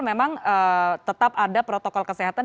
memang tetap ada protokol kesehatan